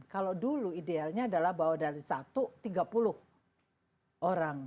kalau dulu idealnya adalah bahwa dari satu tiga puluh orang